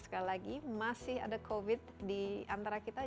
sekali lagi masih ada covid di antara kita